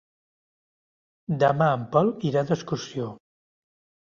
Demà en Pol irà d'excursió.